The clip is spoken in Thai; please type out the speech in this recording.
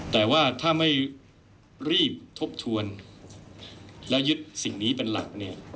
แต่ว่าถ้าไม่รีบทบทวนและยึดสิ่งนี้เป็นหลักเนี่ย